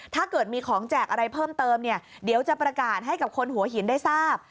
ถ้าเกิดมีของแจกอะไรเพิ่มเติมเนี่ยเดี๋ยวจะประกาศให้กับคนหัวหินได้ทราบ